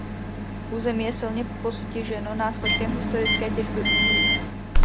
Území je silně postiženo následkem historické těžby uhlí.